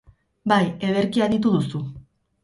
Bai, ederki aditu duzu.